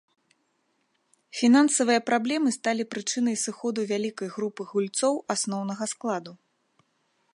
Фінансавыя праблемы сталі прычынай сыходу вялікай групы гульцоў асноўнага складу.